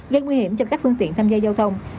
gây nguy hiểm cho các phương tiện tham gia giao thông